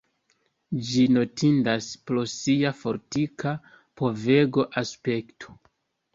Ĝi notindas pro sia fortika povega aspekto.